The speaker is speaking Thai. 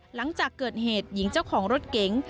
หลังจากเกิดเหตุหญิงเจ้าของรถเก๋ง